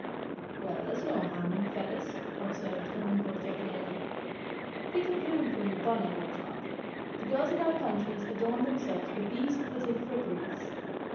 "Well, there's no harm in feathers," observed Kabumpo jocularly. "Pick a plume for your bonnet, my child. The girls in our countries adorn themselves with these pretty fripperies.